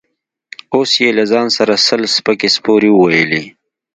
اوس يې له ځان سره سل سپکې سپورې وويلې.